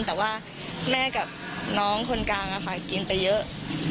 แต่ว่าแม่กับน้องคนกลางกินไปเยอะ